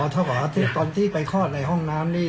เท่ากับว่าตอนที่ไปคลอดในห้องน้ำนี่